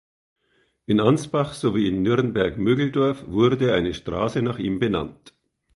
In Ansbach sowie in Nürnberg-Mögeldorf wurde eine Straße nach ihm benannt.